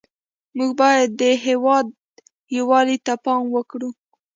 موږ باید د هېواد یووالي ته پام وکړو